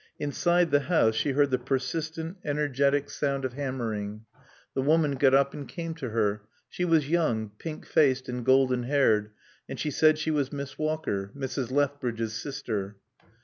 Inside the house she heard the persistent, energetic sound of hammering. The woman got up and came to her. She was young, pink faced and golden haired, and she said she was Miss Walker, Mrs. Lethbridge's sister.